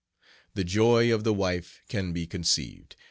The joy of the wife can be conceived.